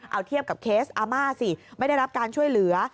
เอาเทียบกับเคสอาม่าสิไม่ได้รับการช่วยเหลือ